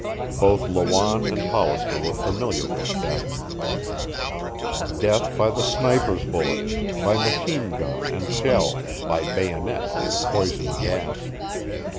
Both Lawanne and Hollister were familiar with death, death by the sniper's bullet, by machine gun and shell, by bayonet and poison gas.